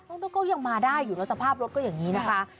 นกก็ยังมาได้อยู่แล้วสภาพรถก็อย่างนี้นะคะ